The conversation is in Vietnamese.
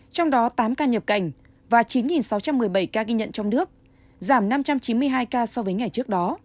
trong đó tám ca nhập cảnh và chín sáu trăm một mươi bảy ca ghi nhận trong nước giảm năm trăm chín mươi hai ca so với ngày trước đó